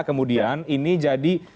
kemudian ini jadi